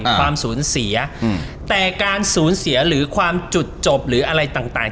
ความสูญเสียอืมแต่การสูญเสียหรือความจุดจบหรืออะไรต่างต่าง